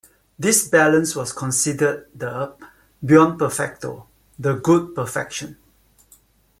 This balance was considered the "buon perfetto", the "good perfection.